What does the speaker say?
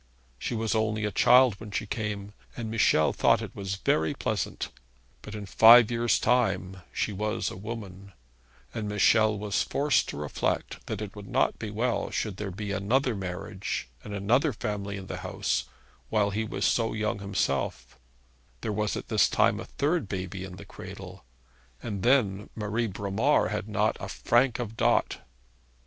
She was only a child when she came, and Michel thought it was very pleasant; but in five years' time she was a woman, and Michel was forced to reflect that it would not be well that there should be another marriage and another family in the house while he was so young himself, there was at this time a third baby in the cradle, and then Marie Bromar had not a franc of dot.